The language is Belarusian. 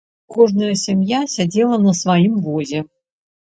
Кожная сям'я сядзела на сваім возе.